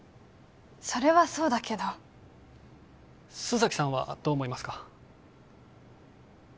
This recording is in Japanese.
それはそうだけど須崎さんはどう思いますか？